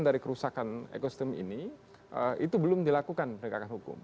kemana uang yang diilang dari kerusakan ekosistem ini itu belum dilakukan penegakan hukum